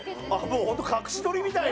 ホント隠し撮りみたいな。